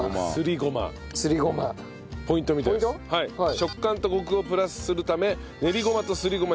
食感とコクをプラスするため練りごまとすりごま